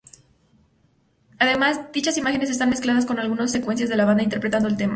Además, dichas imágenes están mezcladas con algunas secuencias de la banda interpretando el tema.